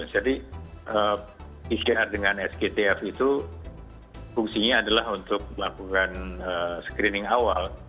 jadi pcr dengan sktf itu fungsinya adalah untuk melakukan screening awal